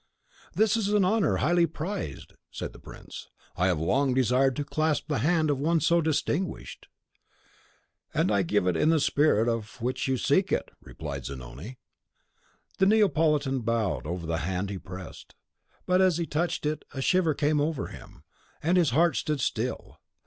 "This is an honour highly prized," said the prince. "I have long desired to clasp the hand of one so distinguished." "And I give it in the spirit with which you seek it," replied Zanoni. The Neapolitan bowed over the hand he pressed; but as he touched it a shiver came over him, and his heart stood still.